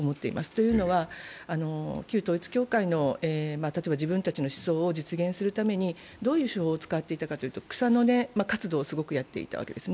というのは、旧統一教会の例えば自分たちの思想を実現するためにどういう手法を使っていたかというと草の根活動をしていたわけです。